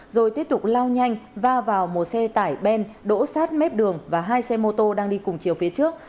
rồi tiếp tục lao nhanh va vào một xe tải ben đỗ sát mép đường và hai xe mô tô đang đi cùng chiều phía trước